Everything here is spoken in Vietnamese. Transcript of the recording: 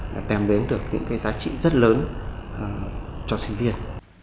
đã đem đến được những giá trị rất lớn cho sinh viên